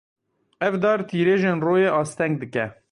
Ev dar tîrêjên royê asteng dike.